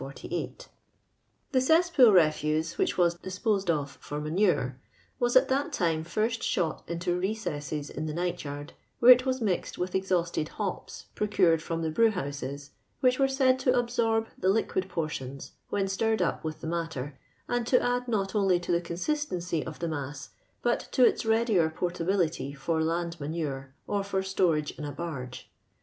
^ The cesspool refuse, which was disposed of for manure, was at that time first shot into recesses in the night yard, where it was mixed with exhausted hops procured from the brew houses, which were said to absorb the liquid portions, when stirred up with the matter, and to add not only to the consistency of the mass, but to its readier portability for land manure or for stowage in a barge.